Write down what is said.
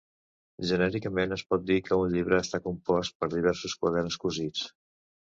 Genèricament es pot dir que un llibre està compost per diversos quaderns cosits.